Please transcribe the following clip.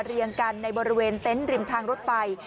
เรียงกันในบริเวณเต็นต์ริมทางรถไฟ